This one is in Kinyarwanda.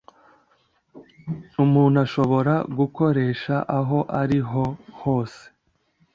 umuntu ashobora gukoresha aho ari ho hose